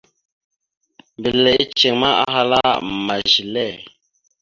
Mbile iceŋ ma, ahala: « Ama zile? ».